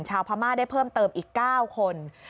ชาวพม่าได้เพิ่มเติมอีก๙คน